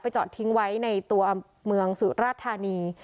ไปจอดทิ้งไว้ในตัวเมืองศูนย์ราชธานี